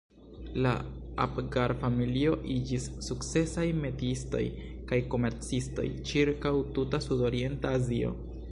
La Abgar-familio iĝis sukcesaj metiistoj kaj komercistoj ĉirkaŭ tuta sudorienta Azio.